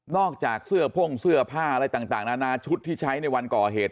อกจากเสื้อพ่งเสื้อผ้าอะไรต่างนานาชุดที่ใช้ในวันก่อเหตุ